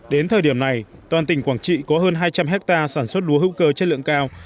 đến thời điểm này toàn tỉnh quảng trị có hơn hai trăm linh hectare sản xuất lúa hữu cơ chất lượng cao